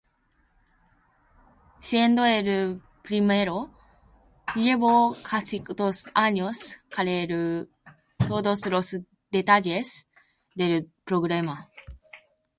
Siendo el primero, llevo casi dos años cerrar todos los detalles del programa.